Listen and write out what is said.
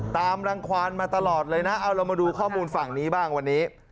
ตามรังความมาตลอดเลยนะเอาเรามาดูข้อมูลฝั่งนี้บ้างวันนี้